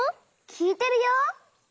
きいてるよ。